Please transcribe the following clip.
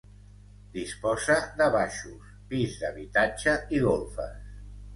Disposa de baixos, pis d'habitatge i golfes.